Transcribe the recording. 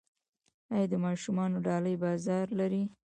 آیا د ماشومانو ډالۍ بازار لري؟